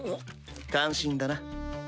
感心だな。